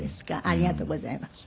ありがとうございます。